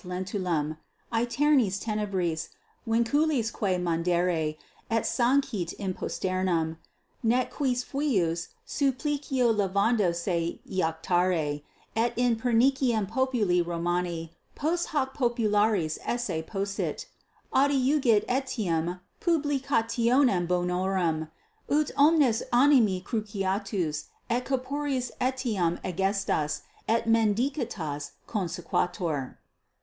Lentulum aeternis tenebris vinculisque mandare et sancit in posterum, ne quis huius supplicio levando se iactare et in perniciem populi Romani posthac popularis esse possit: adiungit etiam publicationem bonorum, ut omnes animi cruciatus et corporis etiam egestas ac mendicitas consequatur.